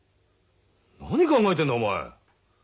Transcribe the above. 何考えてんだお前。